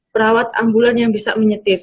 perawat ambulan yang bisa menyetir